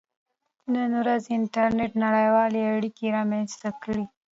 • نن ورځ انټرنېټ نړیوالې اړیکې رامنځته کړې.